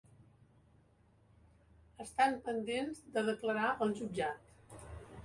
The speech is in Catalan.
Estan pendents de declarar al jutjat.